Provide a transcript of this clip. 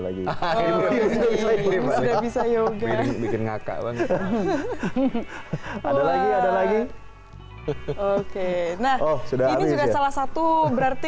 lagi lagi lagi oke nah sudah salah satu berarti